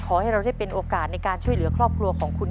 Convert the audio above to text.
ขอให้เราได้เป็นโอกาสในการช่วยเหลือครอบครัวของคุณ